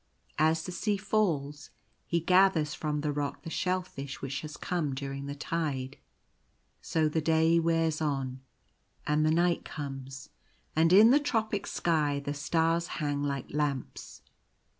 As the sea falls, he gathers from the rock the shellfish which has come during the tide. So the day wears on, and the night comes ; and in the tropic sky the stars hang like lamps.